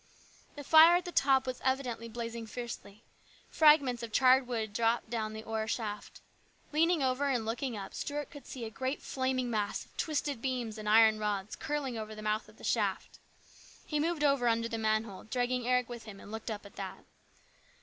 The fire at the top was evidently blazing fiercely. Fragments of charred wood dropped down the ore shaft. Leaning over and looking up, Stuart could see a great flaming mass of twisted beams and iron rods curling over the mouth of the shaft. He moved over under the manhole, dragging Eric with him, and looked up that.